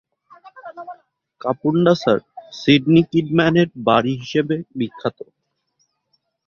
কাপুন্ডা Sir Sidney কিডম্যানের বাড়ি হিসেবে বিখ্যাত।